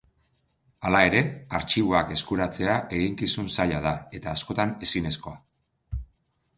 Hala ere, artxiboak eskuratzea eginkizun zaila da eta askotan ezinezkoa.